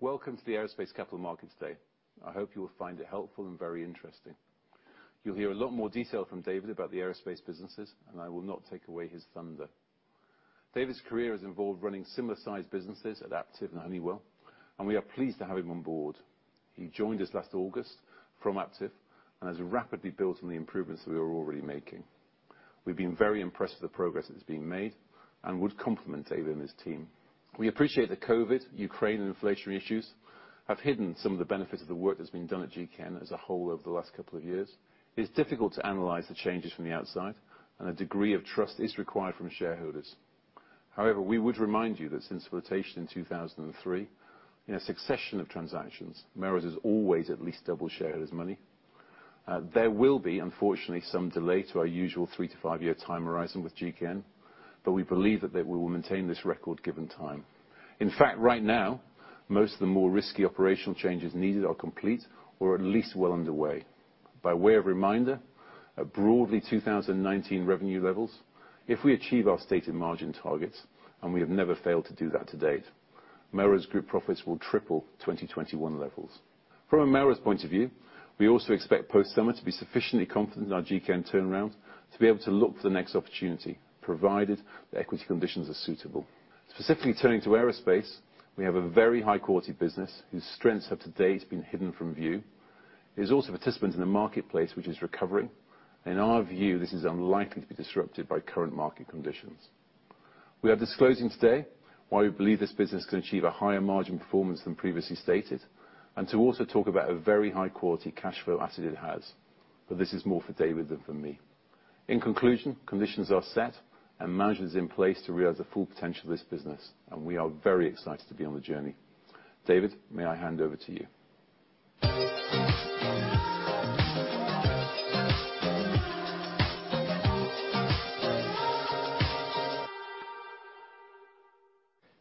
Welcome to the Aerospace Capital Markets Day. I hope you will find it helpful and very interesting. You'll hear a lot more detail from David about the aerospace businesses, and I will not take away his thunder. David's career has involved running similar-sized businesses at Aptiv and Honeywell, and we are pleased to have him on board. He joined us last August from Aptiv and has rapidly built on the improvements that we were already making. We've been very impressed with the progress that's being made, and would compliment David and his team. We appreciate that COVID, Ukraine, and inflationary issues have hidden some of the benefits of the work that's been done at GKN as a whole over the last couple of years. It's difficult to analyze the changes from the outside, and a degree of trust is required from shareholders. However, we would remind you that since flotation in 2003, in a succession of transactions, Melrose's always at least doubled shareholders' money. There will be, unfortunately, some delay to our usual 3-5 year time horizon with GKN, but we believe that they will maintain this record, given time. In fact, right now, most of the more risky operational changes needed are complete, or at least well underway. By way of reminder, at broadly 2019 revenue levels, if we achieve our stated margin targets, and we have never failed to do that to date, Melrose's group profits will triple 2021 levels. From a Melrose point of view, we also expect post-summer to be sufficiently confident in our GKN turnaround to be able to look to the next opportunity, provided the equity conditions are suitable. Specifically turning to aerospace, we have a very high quality business whose strengths have to date been hidden from view. It is also a participant in the marketplace which is recovering. In our view, this is unlikely to be disrupted by current market conditions. We are disclosing today why we believe this business can achieve a higher margin performance than previously stated, and to also talk about a very high quality cash flow asset it has, but this is more for David than for me. In conclusion, conditions are set and management is in place to realize the full potential of this business, and we are very excited to be on the journey. David, may I hand over to you?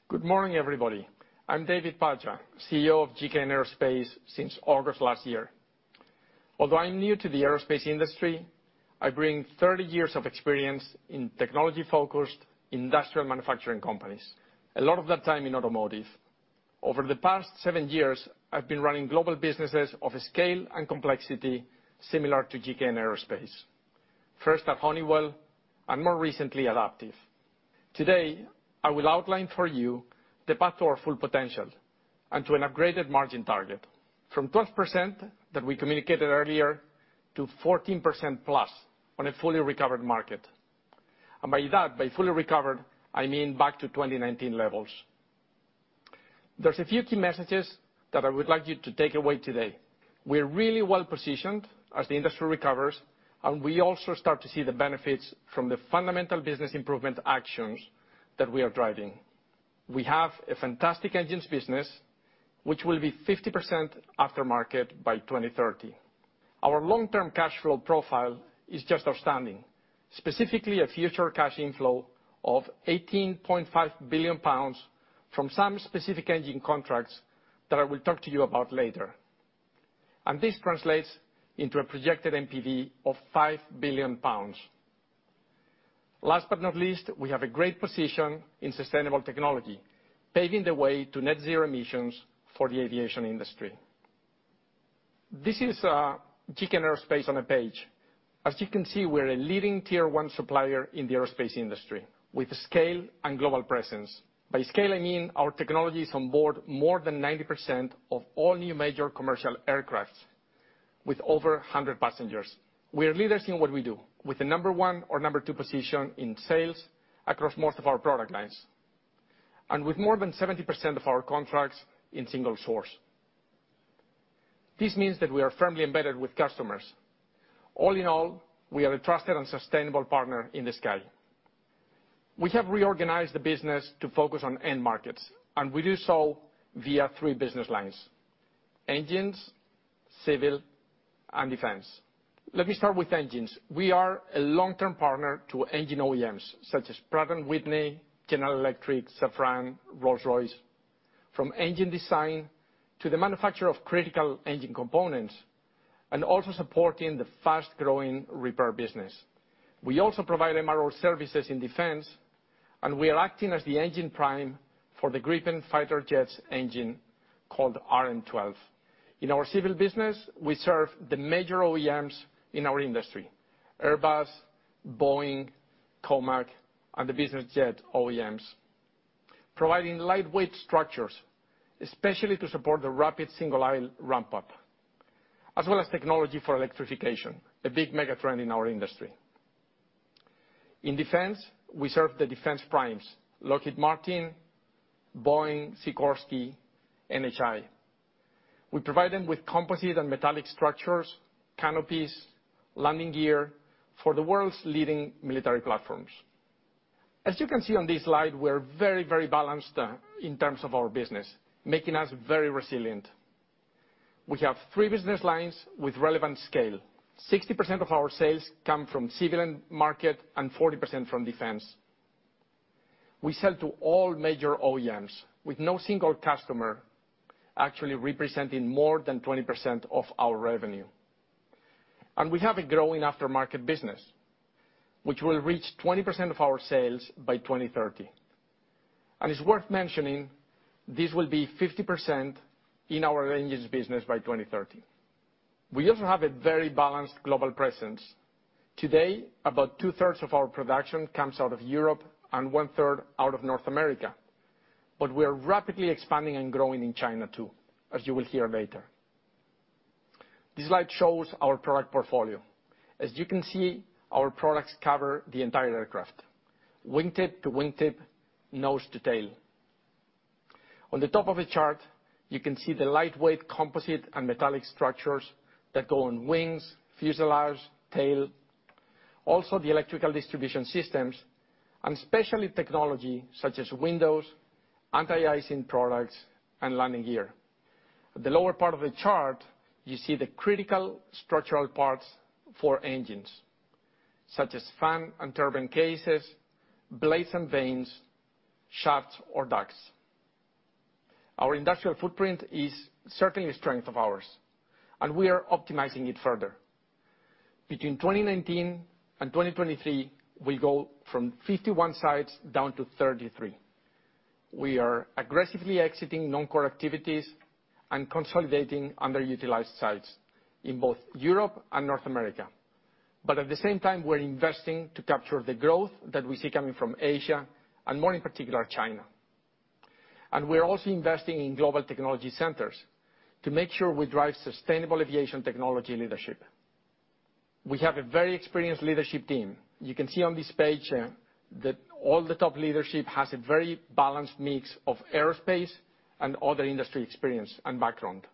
Good morning, everybody. I'm David Paja, CEO of GKN Aerospace since August last year. Although I'm new to the aerospace industry, I bring 30 years of experience in technology-focused industrial manufacturing companies, a lot of that time in automotive. Over the past 7 years, I've been running global businesses of a scale and complexity similar to GKN Aerospace. First at Honeywell, and more recently at Aptiv. Today, I will outline for you the path to our full potential and to an upgraded margin target from 12% that we communicated earlier to 14% plus on a fully recovered market. By that, by fully recovered, I mean back to 2019 levels. There's a few key messages that I would like you to take away today. We're really well-positioned as the industry recovers, and we also start to see the benefits from the fundamental business improvement actions that we are driving. We have a fantastic engines business, which will be 50% aftermarket by 2030. Our long-term cash flow profile is just outstanding, specifically a future cash inflow of 18.5 billion pounds from some specific engine contracts that I will talk to you about later. This translates into a projected NPV of 5 billion pounds. Last but not least, we have a great position in sustainable technology, paving the way to net zero emissions for the aviation industry. This is GKN Aerospace on a page. As you can see, we're a leading tier one supplier in the aerospace industry with scale and global presence. By scale, I mean our technology is on board more than 90% of all new major commercial aircraft with over 100 passengers. We are leaders in what we do with the number one or number two position in sales across most of our product lines, and with more than 70% of our contracts in single source. This means that we are firmly embedded with customers. All in all, we are a trusted and sustainable partner in the sky. We have reorganized the business to focus on end markets, and we do so via three business lines: engines, civil, and defense. Let me start with engines. We are a long-term partner to engine OEMs such as Pratt & Whitney, General Electric, Safran, Rolls-Royce. From engine design to the manufacture of critical engine components, and also supporting the fast-growing repair business. We also provide MRO services in defense, and we are acting as the engine prime for the Gripen fighter jets engine called RM12. In our civil business, we serve the major OEMs in our industry, Airbus, Boeing, COMAC, and the business jet OEMs, providing lightweight structures, especially to support the rapid single-aisle ramp up, as well as technology for electrification, a big mega trend in our industry. In defense, we serve the defense primes, Lockheed Martin, Boeing, Sikorsky, NHI. We provide them with composite and metallic structures, canopies, landing gear for the world's leading military platforms. As you can see on this slide, we're very, very balanced in terms of our business, making us very resilient. We have three business lines with relevant scale. 60% of our sales come from civilian market and 40% from defense. We sell to all major OEMs, with no single customer actually representing more than 20% of our revenue. We have a growing aftermarket business, which will reach 20% of our sales by 2030. It's worth mentioning, this will be 50% in our engines business by 2030. We also have a very balanced global presence. Today, about 2/3 of our production comes out of Europe, and 1/3 out of North America. We are rapidly expanding and growing in China too, as you will hear later. This slide shows our product portfolio. As you can see, our products cover the entire aircraft, wingtip to wingtip, nose to tail. On the top of the chart, you can see the lightweight composite and metallic structures that go on wings, fuselage, tail. Also, the electrical distribution systems, and especially technology such as windows, anti-icing products, and landing gear. At the lower part of the chart, you see the critical structural parts for engines, such as fan and turbine cases, blades and vanes, shafts, or ducts. Our industrial footprint is certainly a strength of ours, and we are optimizing it further. Between 2019 and 2023, we go from 51 sites down to 33. We are aggressively exiting non-core activities and consolidating under-utilized sites in both Europe and North America, but at the same time, we're investing to capture the growth that we see coming from Asia, and more in particular, China. We're also investing in global technology centers to make sure we drive sustainable aviation technology leadership. We have a very experienced leadership team. You can see on this page, that all the top leadership has a very balanced mix of aerospace and other industry experience and background.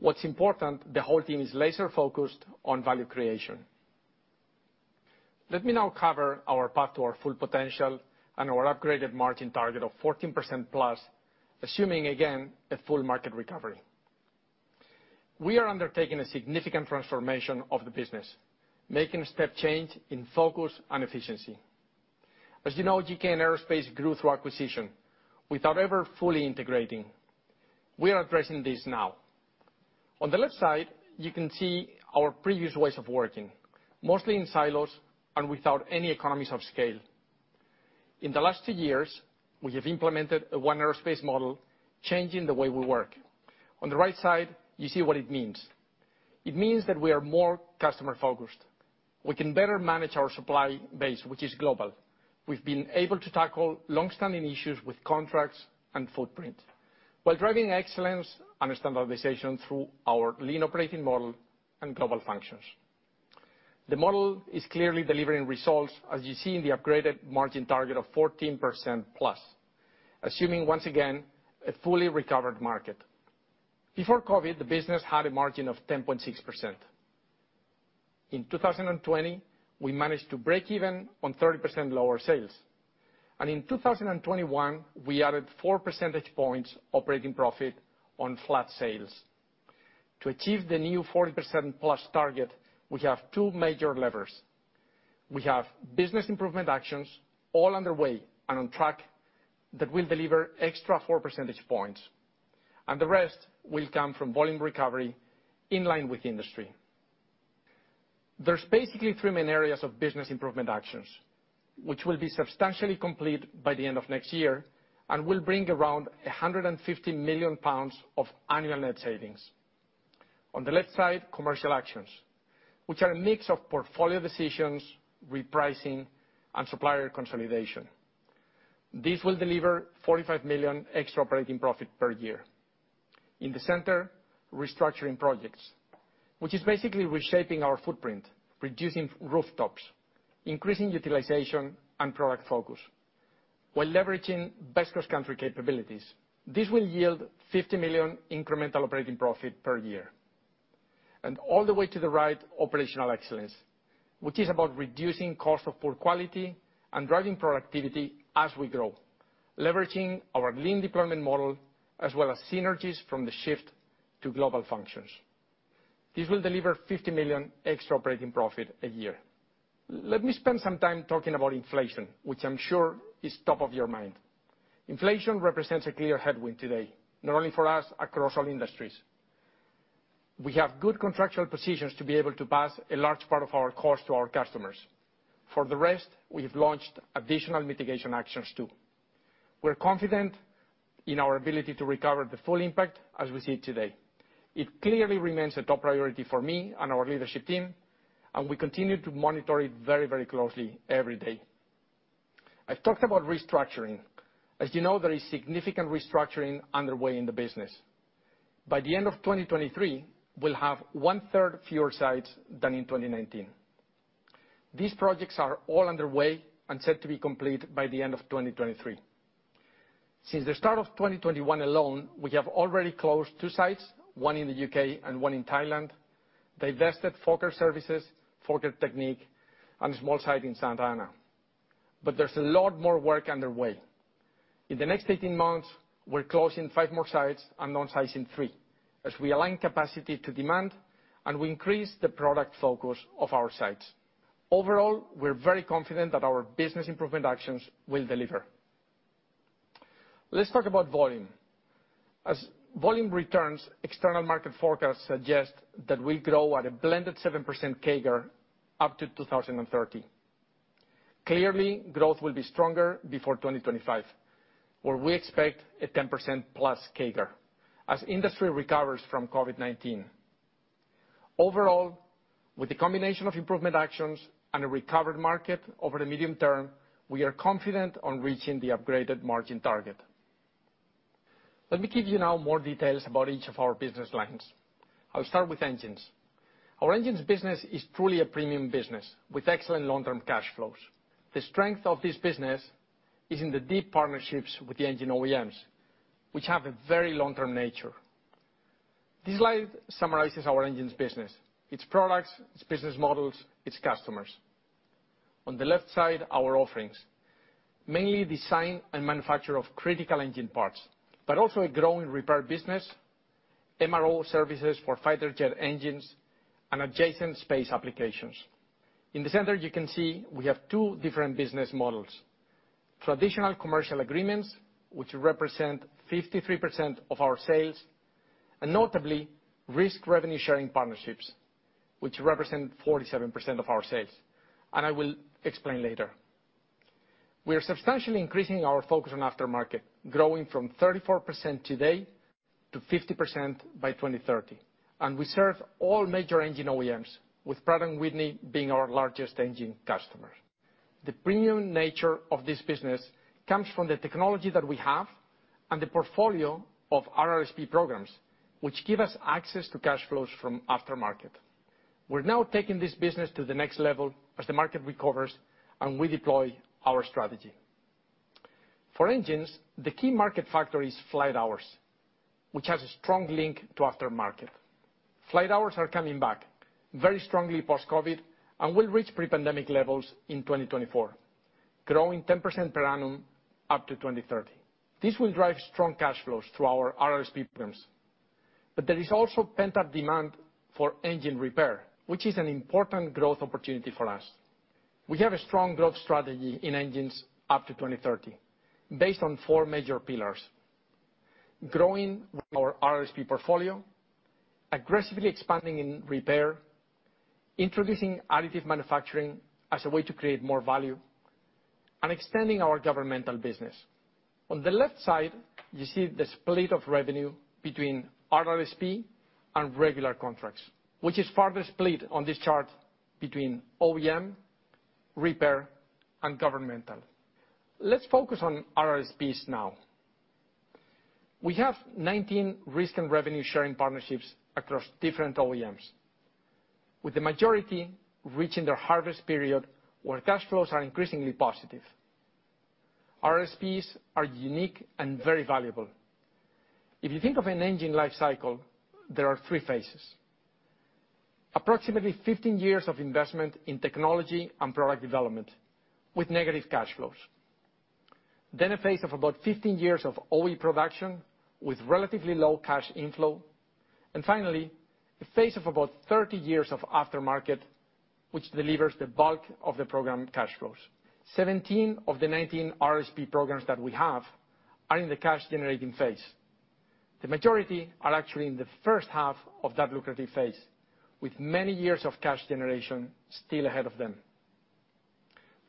What's important, the whole team is laser-focused on value creation. Let me now cover our path to our full potential and our upgraded margin target of 14%+, assuming again, a full market recovery. We are undertaking a significant transformation of the business, making a step change in focus and efficiency. As you know, GKN Aerospace grew through acquisition without ever fully integrating. We are addressing this now. On the left side, you can see our previous ways of working, mostly in silos and without any economies of scale. In the last two years, we have implemented a one aerospace model, changing the way we work. On the right side, you see what it means. It means that we are more customer-focused. We can better manage our supply base, which is global. We've been able to tackle long-standing issues with contracts and footprint while driving excellence and standardization through our lean operating model and global functions. The model is clearly delivering results, as you see in the upgraded margin target of 14%+, assuming, once again, a fully recovered market. Before COVID, the business had a margin of 10.6%. In 2020, we managed to break even on 30% lower sales. In 2021, we added 4 percentage points operating profit on flat sales. To achieve the new 40%+ target, we have two major levers. We have business improvement actions all underway and on track that will deliver extra 4 percentage points, and the rest will come from volume recovery in line with the industry. There's basically three main areas of business improvement actions, which will be substantially complete by the end of next year and will bring around 150 million pounds of annual net savings. On the left side, commercial actions, which are a mix of portfolio decisions, repricing, and supplier consolidation. This will deliver 45 million extra operating profit per year. In the center, restructuring projects, which is basically reshaping our footprint, reducing rooftops, increasing utilization and product focus, while leveraging best-cost country capabilities. This will yield 50 million incremental operating profit per year. All the way to the right, operational excellence, which is about reducing cost of poor quality and driving productivity as we grow, leveraging our lean deployment model, as well as synergies from the shift to global functions. This will deliver 50 million extra operating profit a year. Let me spend some time talking about inflation, which I'm sure is top of your mind. Inflation represents a clear headwind today, not only for us, across all industries. We have good contractual positions to be able to pass a large part of our cost to our customers. For the rest, we have launched additional mitigation actions too. We're confident in our ability to recover the full impact as we see it today. It clearly remains a top priority for me and our leadership team, and we continue to monitor it very, very closely every day. I've talked about restructuring. As you know, there is significant restructuring underway in the business. By the end of 2023, we'll have one-third fewer sites than in 2019. These projects are all underway and set to be complete by the end of 2023. Since the start of 2021 alone, we have already closed two sites, one in the U.K. and one in Thailand, divested Fokker Services, Fokker Techniek, and a small site in Santa Ana. There's a lot more work underway. In the next 18 months, we're closing five more sites and downsizing three as we align capacity to demand and we increase the product focus of our sites. Overall, we're very confident that our business improvement actions will deliver. Let's talk about volume. As volume returns, external market forecasts suggest that we grow at a blended 7% CAGR up to 2030. Clearly, growth will be stronger before 2025, where we expect a 10%+ CAGR as industry recovers from COVID-19. Overall, with the combination of improvement actions and a recovered market over the medium term, we are confident on reaching the upgraded margin target. Let me give you now more details about each of our business lines. I'll start with engines. Our engines business is truly a premium business with excellent long-term cash flows. The strength of this business is in the deep partnerships with the engine OEMs, which have a very long-term nature. This slide summarizes our engines business, its products, its business models, its customers. On the left side, our offerings. Mainly design and manufacture of critical engine parts, but also a growing repair business, MRO services for fighter jet engines, and adjacent space applications. In the center, you can see we have two different business models. Traditional commercial agreements, which represent 53% of our sales, and notably, risk and revenue sharing partnerships, which represent 47% of our sales, and I will explain later. We are substantially increasing our focus on aftermarket, growing from 34% today to 50% by 2030, and we serve all major engine OEMs, with Pratt & Whitney being our largest engine customer. The premium nature of this business comes from the technology that we have and the portfolio of RRSP programs, which give us access to cash flows from aftermarket. We're now taking this business to the next level as the market recovers and we deploy our strategy. For engines, the key market factor is flight hours, which has a strong link to aftermarket. Flight hours are coming back very strongly post-COVID and will reach pre-pandemic levels in 2024, growing 10% per annum up to 2030. This will drive strong cash flows through our RRSP programs. There is also pent-up demand for engine repair, which is an important growth opportunity for us. We have a strong growth strategy in engines up to 2030 based on four major pillars: growing our RRSP portfolio, aggressively expanding in repair, introducing additive manufacturing as a way to create more value, and extending our governmental business. On the left side, you see the split of revenue between RRSP and regular contracts, which is further split on this chart between OEM, repair, and governmental. Let's focus on RRSPs now. We have 19 risk and revenue sharing partnerships across different OEMs, with the majority reaching their harvest period where cash flows are increasingly positive. RRSPs are unique and very valuable. If you think of an engine life cycle, there are three phases. Approximately 15 years of investment in technology and product development with negative cash flows. Then a phase of about 15 years of OE production with relatively low cash inflow. Finally, a phase of about 30 years of aftermarket, which delivers the bulk of the program cash flows. 17 of the 19 RRSP programs that we have are in the cash-generating phase. The majority are actually in the first half of that lucrative phase, with many years of cash generation still ahead of them.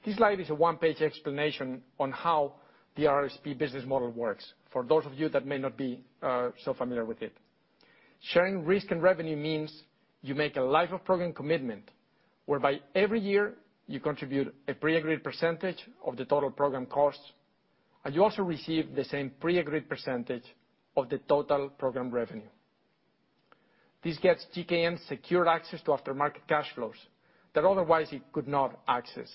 This slide is a one-page explanation on how the RRSP business model works, for those of you that may not be so familiar with it. Sharing risk and revenue means you make a life-of-program commitment, whereby every year you contribute a pre-agreed percentage of the total program costs, and you also receive the same pre-agreed percentage of the total program revenue. This gets GKN secure access to aftermarket cash flows that otherwise it could not access.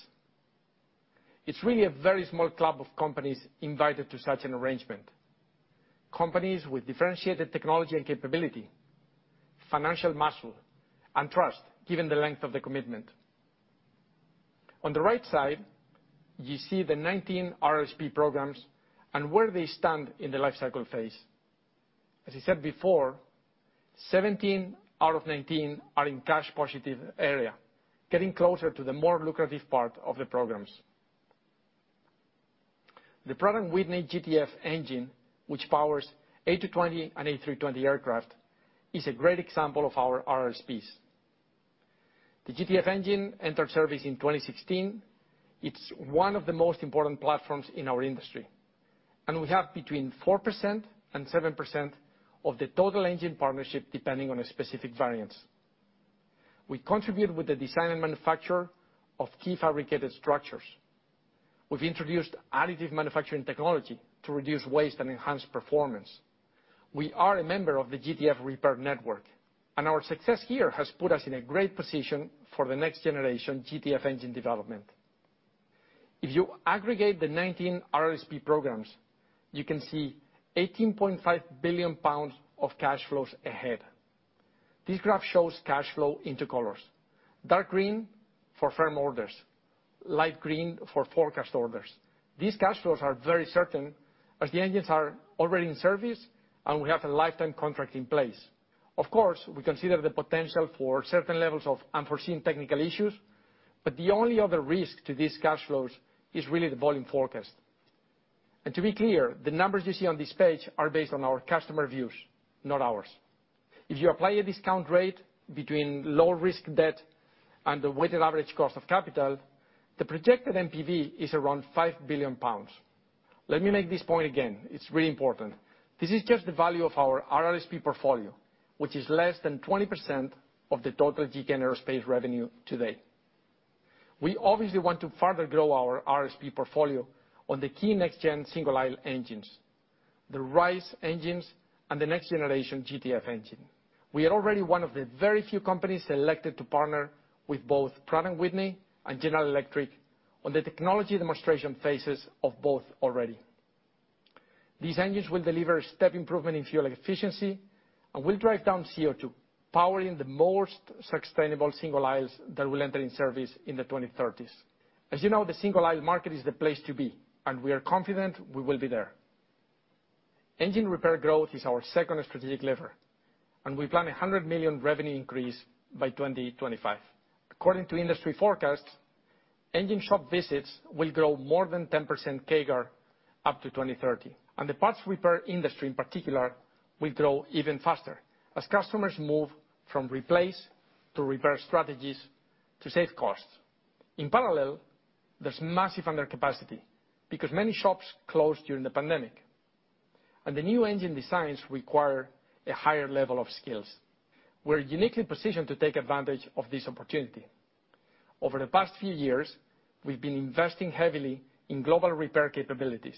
It's really a very small club of companies invited to such an arrangement. Companies with differentiated technology and capability, financial muscle, and trust, given the length of the commitment. On the right side, you see the 19 RRSP programs and where they stand in the life cycle phase. As I said before, 17 out of 19 are in cash positive area, getting closer to the more lucrative part of the programs. The Pratt & Whitney GTF engine, which powers A220 and A320 aircraft, is a great example of our RRSPs. The GTF engine entered service in 2016. It's one of the most important platforms in our industry. We have between 4% and 7% of the total engine partnership, depending on the specific variants. We contribute with the design and manufacture of key fabricated structures. We've introduced additive manufacturing technology to reduce waste and enhance performance. We are a member of the GTF repair network, and our success here has put us in a great position for the next generation GTF engine development. If you aggregate the 19 RRSP programs, you can see 18.5 billion pounds of cash flows ahead. This graph shows cash flows in two colors. Dark green for firm orders, light green for forecast orders. These cash flows are very certain as the engines are already in service and we have a lifetime contract in place. Of course, we consider the potential for certain levels of unforeseen technical issues. The only other risk to these cash flows is really the volume forecast. To be clear, the numbers you see on this page are based on our customer views, not ours. If you apply a discount rate between low-risk debt and the weighted average cost of capital, the projected NPV is around 5 billion pounds. Let me make this point again, it's really important. This is just the value of our RRSP portfolio, which is less than 20% of the total GKN Aerospace revenue today. We obviously want to further grow our RSP portfolio on the key next gen single aisle engines, the RISE engines, and the next generation GTF engine. We are already one of the very few companies selected to partner with both Pratt & Whitney and General Electric on the technology demonstration phases of both already. These engines will deliver step improvement in fuel efficiency and will drive down CO2, powering the most sustainable single aisles that will enter in service in the 2030s. As you know, the single aisle market is the place to be, and we are confident we will be there. Engine repair growth is our second strategic lever, and we plan 100 million revenue increase by 2025. According to industry forecasts, engine shop visits will grow more than 10% CAGR up to 2030. The parts repair industry in particular will grow even faster as customers move from replace to repair strategies to save costs. In parallel, there's massive undercapacity because many shops closed during the pandemic, and the new engine designs require a higher level of skills. We're uniquely positioned to take advantage of this opportunity. Over the past few years, we've been investing heavily in global repair capabilities.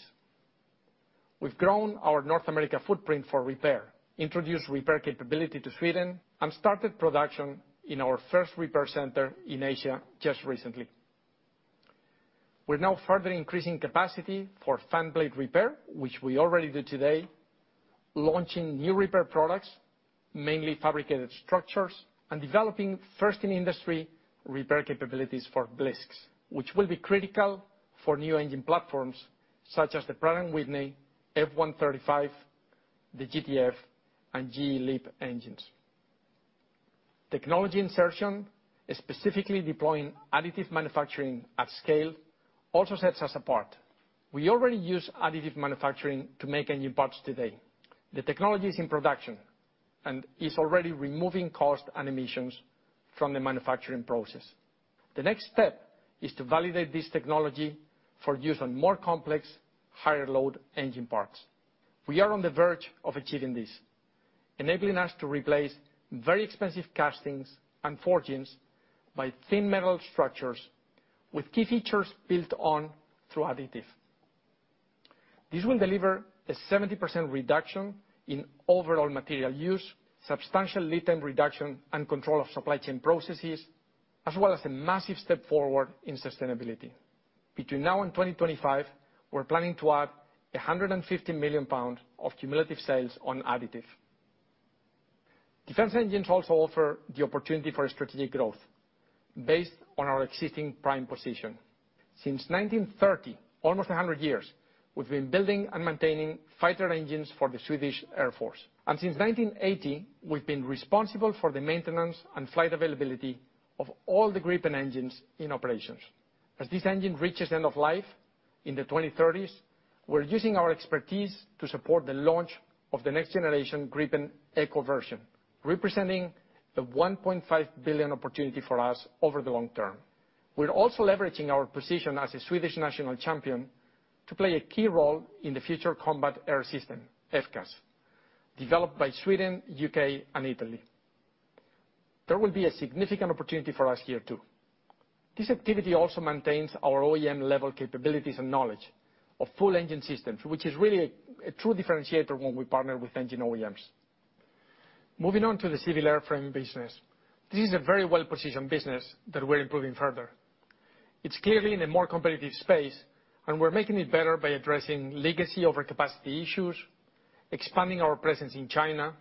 We've grown our North America footprint for repair, introduced repair capability to Sweden, and started production in our first repair center in Asia just recently. We're now further increasing capacity for fan blade repair, which we already do today, launching new repair products, mainly fabricated structures, and developing first-in-industry repair capabilities for blisks, which will be critical for new engine platforms such as the Pratt & Whitney F135, the GTF, and GE LEAP engines. Technology insertion, specifically deploying additive manufacturing at scale, also sets us apart. We already use additive manufacturing to make engine parts today. The technology is in production and is already removing cost and emissions from the manufacturing process. The next step is to validate this technology for use on more complex, higher load engine parts. We are on the verge of achieving this, enabling us to replace very expensive castings and forgings by thin metal structures with key features built on through additive. This will deliver a 70% reduction in overall material use, substantial lead time reduction, and control of supply chain processes, as well as a massive step forward in sustainability. Between now and 2025, we're planning to add 150 million pounds of cumulative sales on additive. Defense engines also offer the opportunity for strategic growth based on our existing prime position. Since 1930, almost a hundred years, we've been building and maintaining fighter engines for the Swedish Air Force. Since 1980, we've been responsible for the maintenance and flight availability of all the Gripen engines in operations. As this engine reaches end of life in the 2030s, we're using our expertise to support the launch of the next generation Gripen E version, representing the 1.5 billion opportunity for us over the long term. We're also leveraging our position as a Swedish national champion to play a key role in the Future Combat Air System, FCAS, developed by Sweden, U.K., and Italy. There will be a significant opportunity for us here, too. This activity also maintains our OEM-level capabilities and knowledge of full engine systems, which is really a true differentiator when we partner with engine OEMs. Moving on to the civil airframe business. This is a very well-positioned business that we're improving further. It's clearly in a more competitive space, and we're making it better by addressing legacy over capacity issues, expanding our presence in China,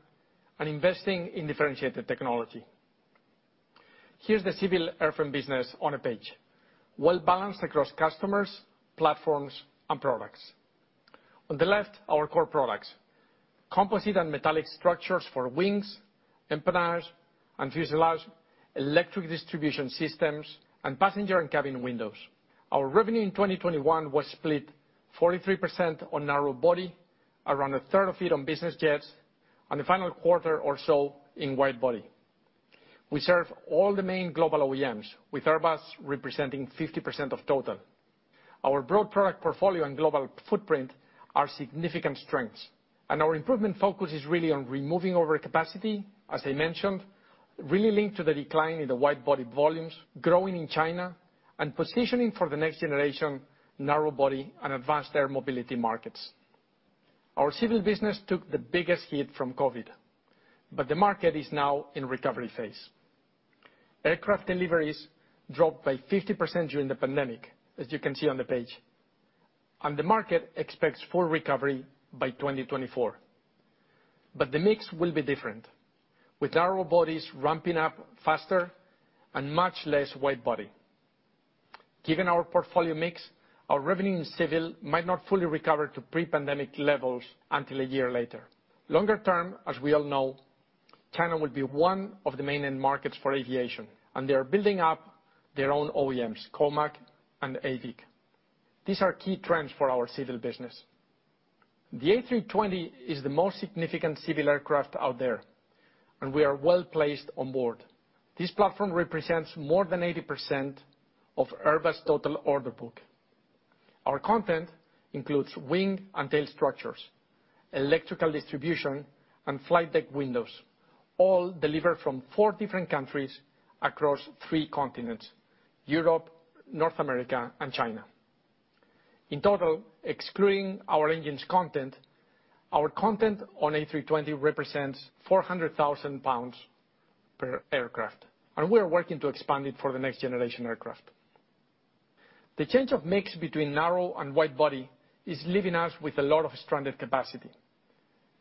and investing in differentiated technology. Here's the civil airframe business on a page, well-balanced across customers, platforms, and products. On the left, our core products, composite and metallic structures for wings, empennages, and fuselages, electric distribution systems, and passenger and cabin windows. Our revenue in 2021 was split 43% on narrow body, around a third of it on business jets, and the final quarter or so in wide body. We serve all the main global OEMs, with Airbus representing 50% of total. Our broad product portfolio and global footprint are significant strengths, and our improvement focus is really on removing overcapacity, as I mentioned, really linked to the decline in the wide body volumes, growing in China, and positioning for the next generation narrow body and advanced air mobility markets. Our civil business took the biggest hit from COVID, but the market is now in recovery phase. Aircraft deliveries dropped by 50% during the pandemic, as you can see on the page. The market expects full recovery by 2024. The mix will be different, with narrow bodies ramping up faster and much less wide body. Given our portfolio mix, our revenue in civil might not fully recover to pre-pandemic levels until a year later. Longer term, as we all know, China will be one of the main end markets for aviation, and they are building up their own OEMs, COMAC and AVIC. These are key trends for our civil business. The A320 is the most significant civil aircraft out there, and we are well-placed on board. This platform represents more than 80% of Airbus' total order book. Our content includes wing and tail structures, electrical distribution, and flight deck windows, all delivered from four different countries across three continents, Europe, North America, and China. In total, excluding our engines content, our content on A320 represents 400,000 pounds per aircraft, and we are working to expand it for the next generation aircraft. The change of mix between narrow and wide-body is leaving us with a lot of stranded capacity,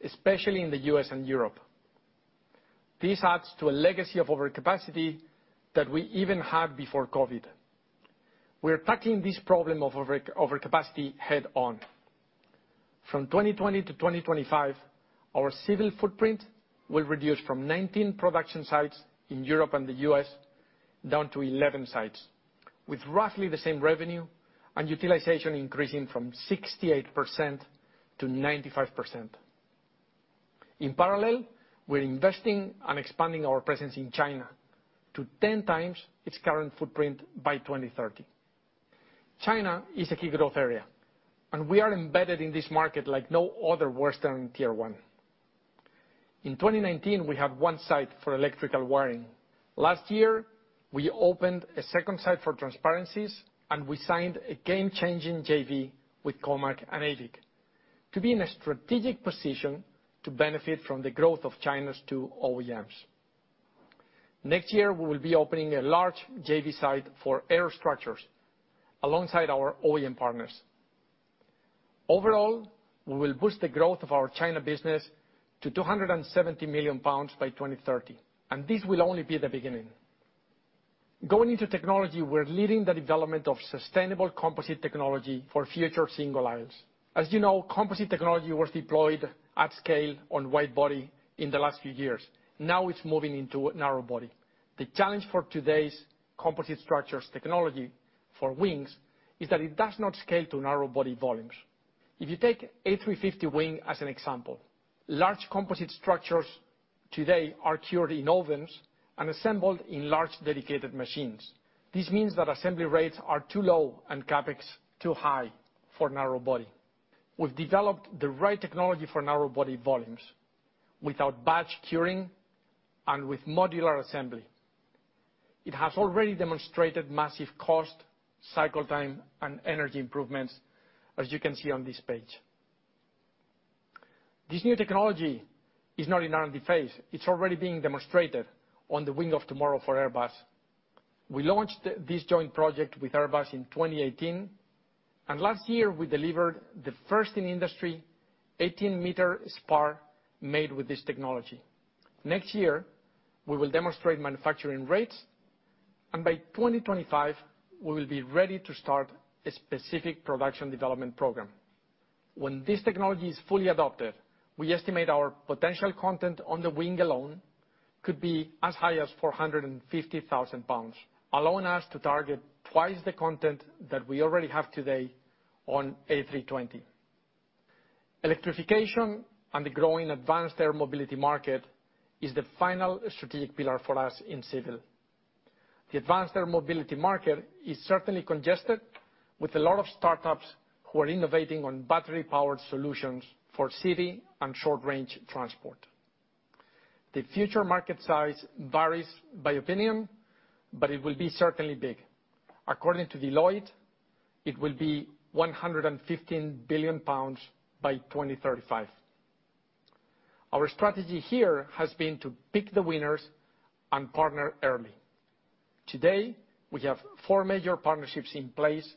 especially in the U.S. and Europe. This adds to a legacy of overcapacity that we even had before COVID. We're tackling this problem of overcapacity head-on. From 2020-2025, our civil footprint will reduce from 19 production sites in Europe and the U.S. down to 11 sites, with roughly the same revenue and utilization increasing from 68%-95%. In parallel, we're investing and expanding our presence in China to 10 times its current footprint by 2030. China is a key growth area, and we are embedded in this market like no other Western tier one. In 2019, we had one site for electrical wiring. Last year, we opened a second site for transparencies, and we signed a game-changing JV with COMAC and AVIC to be in a strategic position to benefit from the growth of China's two OEMs. Next year, we will be opening a large JV site for air structures alongside our OEM partners. Overall, we will boost the growth of our China business to 270 million pounds by 2030, and this will only be the beginning. Going into technology, we're leading the development of sustainable composite technology for future single aisles. As you know, composite technology was deployed at scale on wide-body in the last few years. Now it's moving into narrow-body. The challenge for today's composite structures technology for wings is that it does not scale to narrow-body volumes. If you take A350 wing as an example, large composite structures today are cured in ovens and assembled in large dedicated machines. This means that assembly rates are too low and CapEx too high for narrow-body. We've developed the right technology for narrow-body volumes without batch curing and with modular assembly. It has already demonstrated massive cost, cycle time, and energy improvements, as you can see on this page. This new technology is not in R&D phase. It's already being demonstrated on the Wing of Tomorrow for Airbus. We launched this joint project with Airbus in 2018, and last year we delivered the first in industry 18-meter spar made with this technology. Next year, we will demonstrate manufacturing rates, and by 2025, we will be ready to start a specific production development program. When this technology is fully adopted, we estimate our potential content on the wing alone could be as high as 450,000 pounds, allowing us to target twice the content that we already have today on A320. Electrification and the growing advanced air mobility market is the final strategic pillar for us in civil. The advanced air mobility market is certainly congested with a lot of startups who are innovating on battery-powered solutions for city and short-range transport. The future market size varies by opinion, but it will be certainly big. According to Deloitte, it will be 115 billion pounds by 2035. Our strategy here has been to pick the winners and partner early. Today, we have 4 major partnerships in place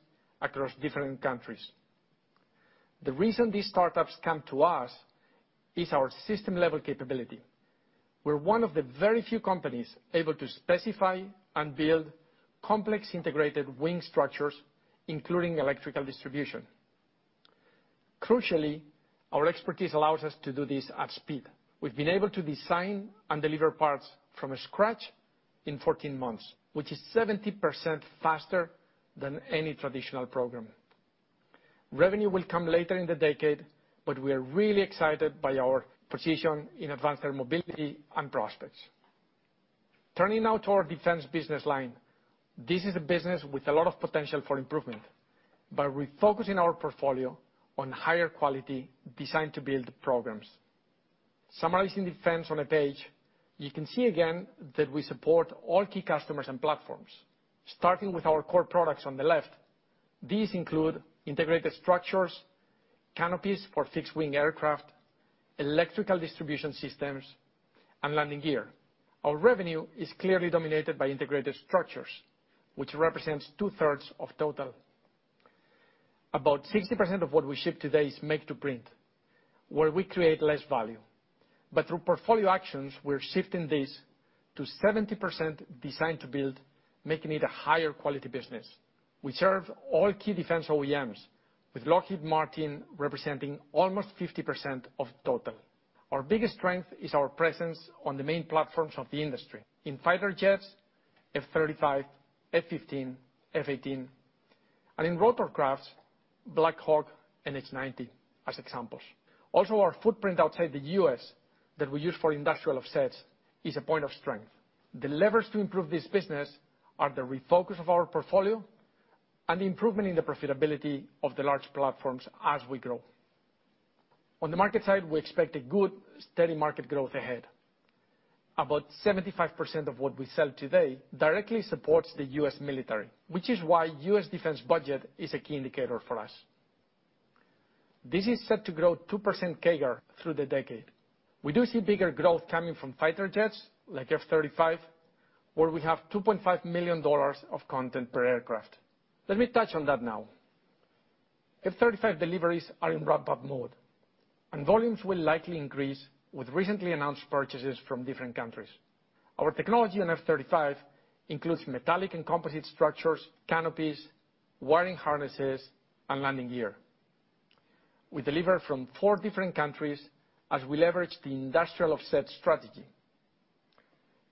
across different countries. The reason these startups come to us is our system-level capability. We're one of the very few companies able to specify and build complex integrated wing structures, including electrical distribution. Crucially, our expertise allows us to do this at speed. We've been able to design and deliver parts from scratch in 14 months, which is 70% faster than any traditional program. Revenue will come later in the decade, but we are really excited by our position in advanced air mobility and prospects. Turning now to our defense business line. This is a business with a lot of potential for improvement by refocusing our portfolio on higher quality designed to build programs. Summarizing defense on a page, you can see again that we support all key customers and platforms. Starting with our core products on the left, these include integrated structures, canopies for fixed-wing aircraft, electrical distribution systems, and landing gear. Our revenue is clearly dominated by integrated structures, which represents two-thirds of total. About 60% of what we ship today is make-to-print, where we create less value. Through portfolio actions, we're shifting this to 70% design-to-build, making it a higher quality business. We serve all key defense OEMs, with Lockheed Martin representing almost 50% of total. Our biggest strength is our presence on the main platforms of the industry. In fighter jets, F-35, F-15, F-18, and in rotorcraft, Black Hawk and NH90, as examples. Also, our footprint outside the U.S. that we use for industrial offsets is a point of strength. The levers to improve this business are the refocus of our portfolio and the improvement in the profitability of the large platforms as we grow. On the market side, we expect a good, steady market growth ahead. About 75% of what we sell today directly supports the US military, which is why US defense budget is a key indicator for us. This is set to grow 2% CAGR through the decade. We do see bigger growth coming from fighter jets, like F-35, where we have $2.5 million of content per aircraft. Let me touch on that now. F-35 deliveries are in ramp-up mode, and volumes will likely increase with recently announced purchases from different countries. Our technology in F-35 includes metallic and composite structures, canopies, wiring harnesses, and landing gear. We deliver from four different countries as we leverage the industrial offset strategy.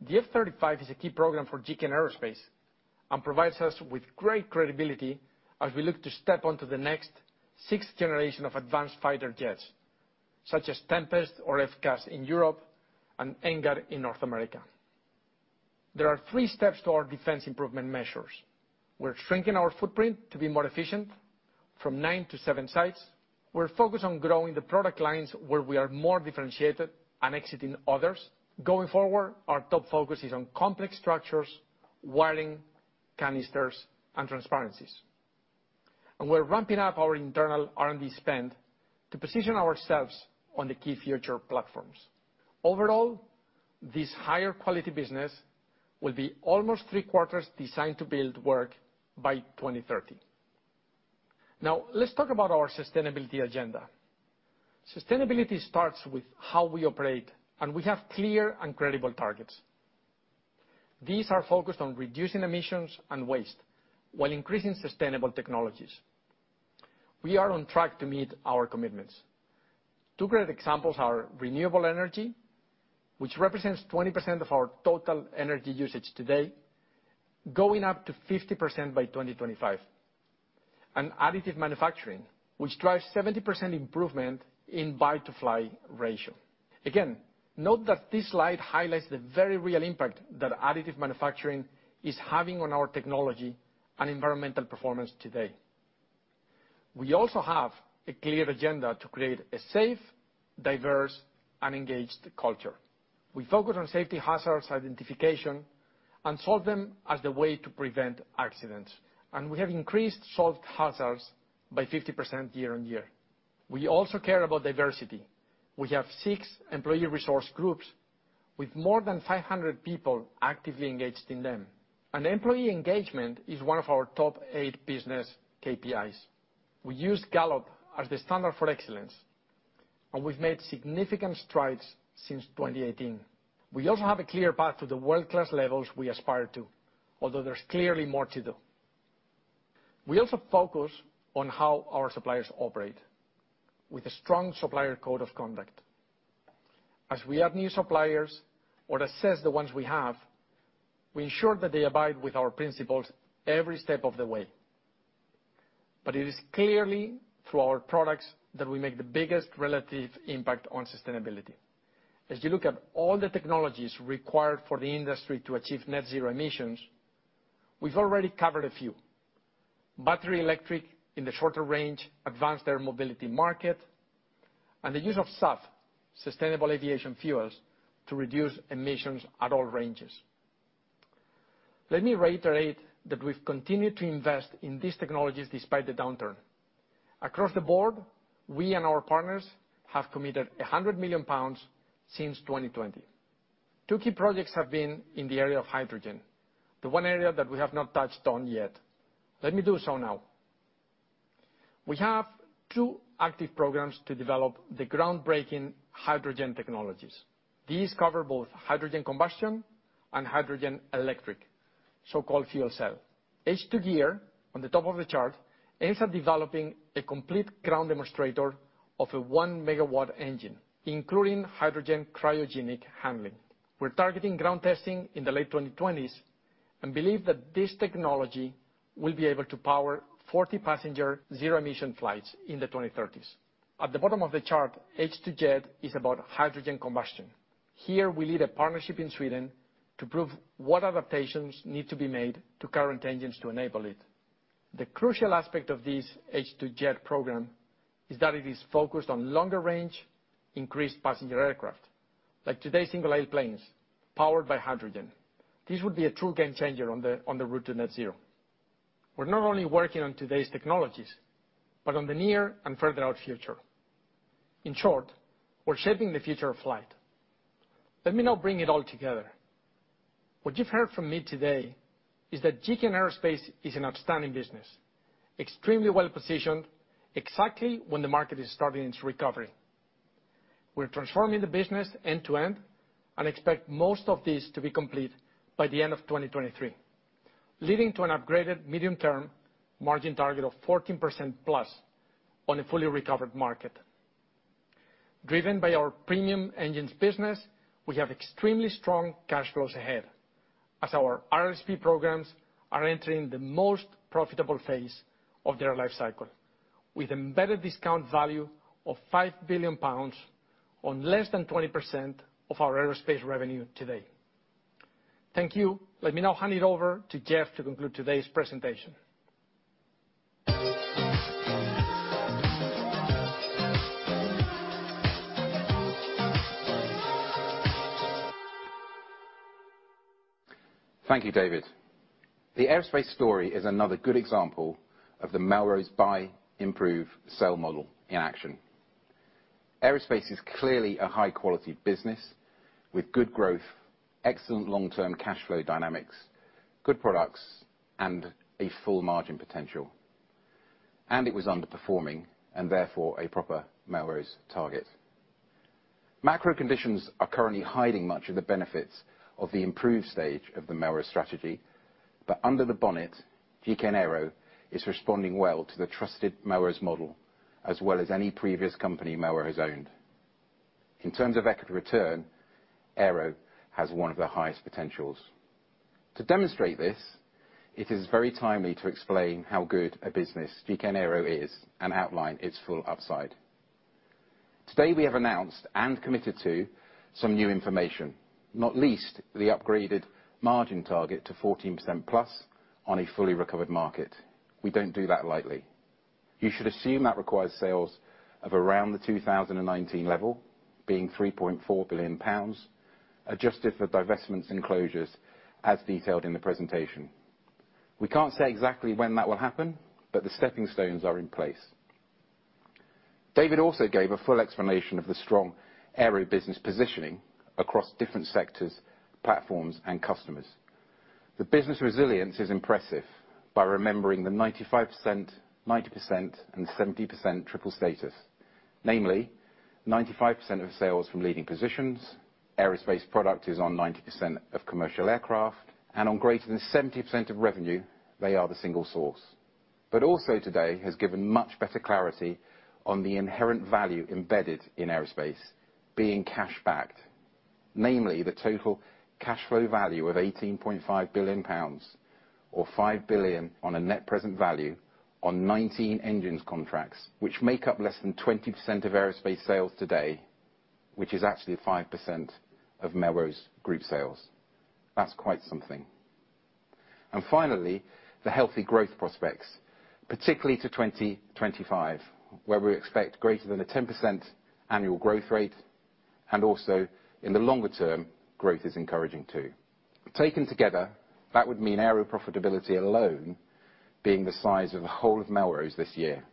The F-35 is a key program for GKN Aerospace and provides us with great credibility as we look to step onto the next sixth generation of advanced fighter jets, such as Tempest or FCAS in Europe and NGAD in North America. There are three steps to our defense improvement measures. We're shrinking our footprint to be more efficient from nine to seven sites. We're focused on growing the product lines where we are more differentiated and exiting others. Going forward, our top focus is on complex structures, wiring, canisters, and transparencies. We're ramping up our internal R&D spend to position ourselves on the key future platforms. Overall, this higher quality business will be almost three-quarters designed to build work by 2030. Now, let's talk about our sustainability agenda. Sustainability starts with how we operate, and we have clear and credible targets. These are focused on reducing emissions and waste while increasing sustainable technologies. We are on track to meet our commitments. 2 great examples are renewable energy, which represents 20% of our total energy usage today, going up to 50% by 2025, and additive manufacturing, which drives 70% improvement in buy-to-fly ratio. Again, note that this slide highlights the very real impact that additive manufacturing is having on our technology and environmental performance today. We also have a clear agenda to create a safe, diverse, and engaged culture. We focus on safety hazards identification and solve them as the way to prevent accidents. We have increased solved hazards by 50% year-over-year. We also care about diversity. We have 6 employee resource groups with more than 500 people actively engaged in them. Employee engagement is 1 of our top 8 business KPIs. We use Gallup as the standard for excellence, and we've made significant strides since 2018. We also have a clear path to the world-class levels we aspire to, although there's clearly more to do. We also focus on how our suppliers operate, with a strong supplier code of conduct. As we add new suppliers or assess the ones we have, we ensure that they abide with our principles every step of the way. It is clearly through our products that we make the biggest relative impact on sustainability. As you look at all the technologies required for the industry to achieve net-zero emissions, we've already covered a few. Battery electric in the shorter range, advanced air mobility market, and the use of SAF, sustainable aviation fuels, to reduce emissions at all ranges. Let me reiterate that we've continued to invest in these technologies despite the downturn. Across the board, we and our partners have committed 100 million pounds since 2020. Two key projects have been in the area of hydrogen, the one area that we have not touched on yet. Let me do so now. We have two active programs to develop the groundbreaking hydrogen technologies. These cover both hydrogen combustion and hydrogen electric, so-called fuel cell. H2GEAR, on the top of the chart, aims at developing a complete ground demonstrator of a 1-megawatt engine, including hydrogen cryogenic handling. We're targeting ground testing in the late 2020s and believe that this technology will be able to power 40-passenger zero-emission flights in the 2030s. At the bottom of the chart, H2JET is about hydrogen combustion. Here, we lead a partnership in Sweden to prove what adaptations need to be made to current engines to enable it. The crucial aspect of this H2JET program is that it is focused on longer range, increased passenger aircraft, like today's single-aisle planes, powered by hydrogen. This would be a true game changer on the route to net zero. We're not only working on today's technologies, but on the near and further out future. In short, we're shaping the future of flight. Let me now bring it all together. What you've heard from me today is that GKN Aerospace is an outstanding business, extremely well-positioned, exactly when the market is starting its recovery. We're transforming the business end-to-end, and expect most of these to be complete by the end of 2023, leading to an upgraded medium-term margin target of 14%+ on a fully recovered market. Driven by our premium engines business, we have extremely strong cash flows ahead, as our RRSP programs are entering the most profitable phase of their life cycle, with embedded discount value of 5 billion pounds on less than 20% of our aerospace revenue today. Thank you. Let me now hand it over to Geoff to conclude today's presentation. Thank you, David. The aerospace story is another good example of the Melrose buy, improve, sell model in action. Aerospace is clearly a high-quality business with good growth, excellent long-term cash flow dynamics, good products, and a full margin potential. It was underperforming, and therefore a proper Melrose target. Macro conditions are currently hiding much of the benefits of the improved stage of the Melrose strategy. Under the bonnet, GKN Aero is responding well to the trusted Melrose model, as well as any previous company Melrose has owned. In terms of equity return, Aero has one of the highest potentials. To demonstrate this, it is very timely to explain how good a business GKN Aero is and outline its full upside. Today, we have announced and committed to some new information, not least the upgraded margin target to 14%+ on a fully recovered market. We don't do that lightly. You should assume that requires sales of around the 2019 level, being 3.4 billion pounds, adjusted for divestments and closures as detailed in the presentation. We can't say exactly when that will happen, but the stepping stones are in place. David also gave a full explanation of the strong Aero business positioning across different sectors, platforms, and customers. The business resilience is impressive by remembering the 95%, 90%, and 70% triple status. Namely, 95% of sales from leading positions, aerospace product is on 90% of commercial aircraft, and on greater than 70% of revenue, they are the single source. Also today has given much better clarity on the inherent value embedded in aerospace being cash backed. Namely, the total cash flow value of 18.5 billion pounds or 5 billion on a net present value on 19 engines contracts, which make up less than 20% of aerospace sales today, which is actually 5% of Melrose group sales. That's quite something. Finally, the healthy growth prospects, particularly to 2025, where we expect greater than a 10% annual growth rate and also in the longer term, growth is encouraging too. Taken together, that would mean Aero profitability alone being the size of the whole of Melrose this year.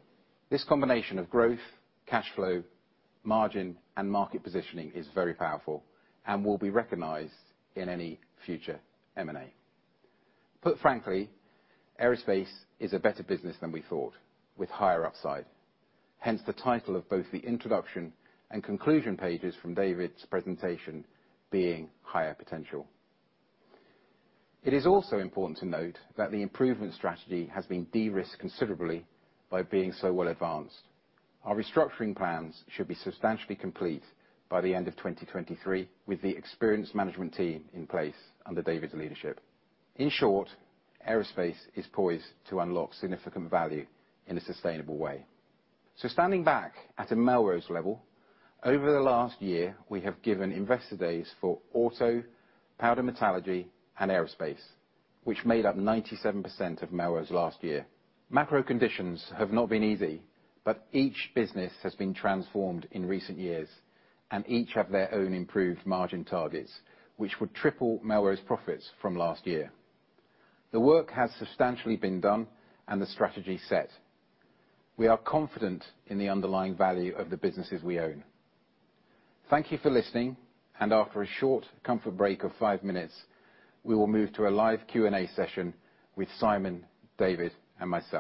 This combination of growth, cash flow, margin, and market positioning is very powerful and will be recognized in any future M&A. Put frankly, aerospace is a better business than we thought, with higher upside. Hence the title of both the introduction and conclusion pages from David's presentation being Higher Potential. It is also important to note that the improvement strategy has been de-risked considerably by being so well advanced. Our restructuring plans should be substantially complete by the end of 2023, with the experienced management team in place under David's leadership. In short, aerospace is poised to unlock significant value in a sustainable way. Standing back at a Melrose level, over the last year, we have given investor days for auto, powder metallurgy, and aerospace, which made up 97% of Melrose last year. Macro conditions have not been easy, but each business has been transformed in recent years, and each have their own improved margin targets, which would triple Melrose profits from last year. The work has substantially been done and the strategy set. We are confident in the underlying value of the businesses we own. Thank you for listening. After a short comfort break of 5 minutes, we will move to a live Q&A session with Simon, David, and myself.